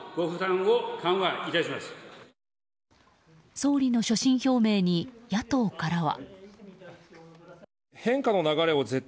総理の所信表明に野党からは。